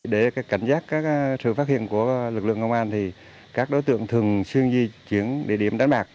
để cảnh giác sự phát hiện của lực lượng công an các đối tượng thường xuyên di chuyển địa điểm đánh bạc